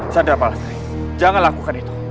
sadar pak astri jangan lakukan itu